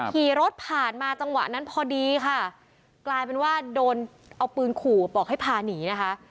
ขี่รถผ่านมาจังหวะนั้นพอดีค่ะกลายเป็นว่าโดนเอาปืนขู่บอกให้พาหนีนะคะ